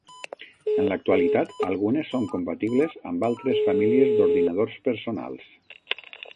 En l'actualitat, algunes són compatibles amb altres famílies d'ordinadors personals.